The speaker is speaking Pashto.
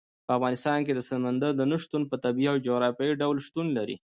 په افغانستان کې د سمندر نه شتون په طبیعي او جغرافیایي ډول شتون لري.